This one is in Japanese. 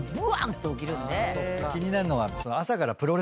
気になるのは。